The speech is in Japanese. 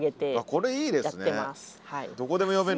これいいですね。